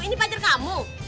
ini pacar kamu